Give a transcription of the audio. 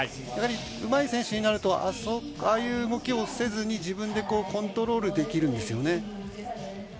やはり、うまい選手になるとああいう動きをせずに自分でコントロールできるんですよね。